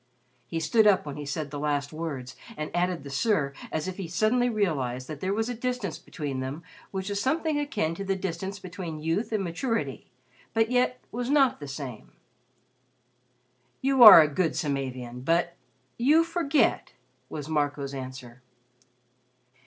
He stood up when he said the last words and added the "sir" as if he suddenly realized that there was a distance between them which was something akin to the distance between youth and maturity but yet was not the same. "You are a good Samavian but you forget," was Marco's answer.